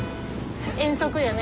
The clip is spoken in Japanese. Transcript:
遠足よね。